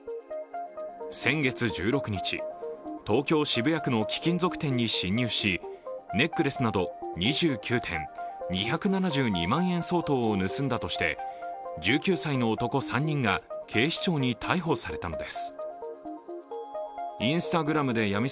先月１６日、東京・渋谷区の貴金属店に侵入し、ネックレスなど２９点２７２万円相当を盗んだとして１９歳の男３人が警視庁に逮捕されたのです。